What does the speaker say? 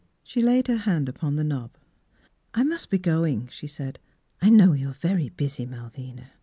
She laid her hand upon the knob. " I must be going," she said, " I know you are very busy, Malvina."